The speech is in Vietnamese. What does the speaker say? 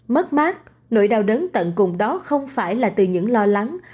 mất mát nỗi đau đến tận cùng đó không phải là từ những lo lắng